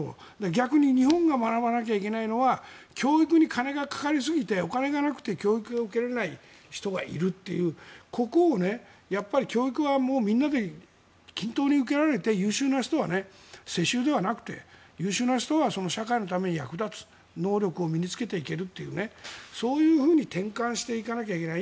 逆に日本が学ばなきゃいけないのは教育に金がかかりすぎてお金がなくて教育を受けられない人がいるっていうここを教育はみんなで均等に受けられて世襲ではなくて優秀な人は社会のために役立つ能力を身に着けていけるというそういうふうに転換していかなきゃいけない。